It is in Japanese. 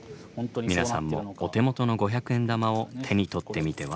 皆さんもお手元の五百円玉を手に取ってみては？